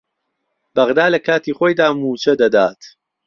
بهغدا لهکاتی خۆیدا مووچه دهدات